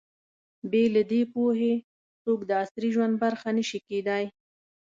بې له دې پوهې، څوک د عصري ژوند برخه نه شي کېدای.